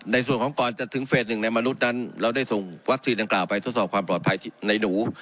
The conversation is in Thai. ในส่วนของก่อนจะถึงเฟสหนึ่งในมนุษย์นั้นเราได้ส่งวัคซีนดังกล่าวไปทดสอบความปลอดภัยในหนู